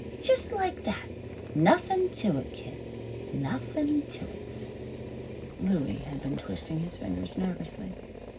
Just like that. Nothin' to it, kid. Nothin' to it." Louie had been twisting his fingers nervously.